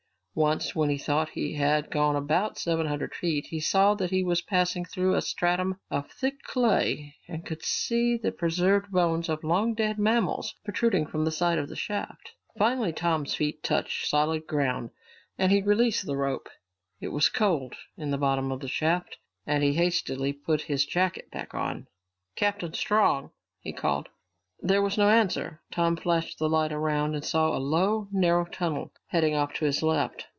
Once, when he thought he had gone about seven hundred feet, he saw that he was passing through a stratum of thick clay and could see the preserved bones of long dead mammals, protruding from the side of the shaft. Finally Tom's feet touched solid ground and he released the rope. It was cold in the bottom of the shaft and he hastily put his jacket back on. "Captain Strong?" he called. There was no answer. Tom flashed the light around and saw a low, narrow tunnel leading off to his left.